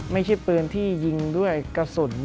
ไม่ใช่ปืนที่ยิงด้วยกระสุน